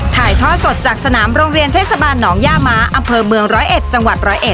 ถ่ายทอดสดจากสนามโรงเรียนเทศบาลหนองย่าม้าอำเภอเมืองร้อยเอ็ดจังหวัด๑๐๑